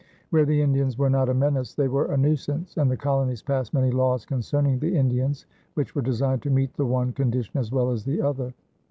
Where the Indians were not a menace, they were a nuisance, and the colonies passed many laws concerning the Indians which were designed to meet the one condition as well as the other.